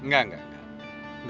gak gak gak